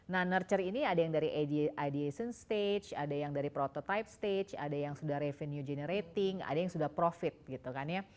nah nurture ini ada yang dari ideation stage ada yang dari prototipe stage ada yang sudah revenue generating ada yang sudah profit gitu kan ya